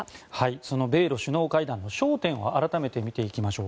その米ロ首脳会談の焦点を改めて見ていきましょう。